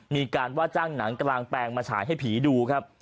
มีการว่าจ้างหนังกลางแปลงมาฉายให้ผีดูครับ